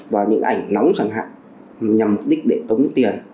vào những ảnh nóng chẳng hạn nhằm mục đích để tống tiền